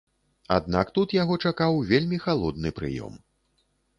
Аднак тут яго чакаў вельмі халодны прыём.